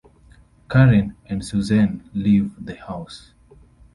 Karen and Susanne leave the house.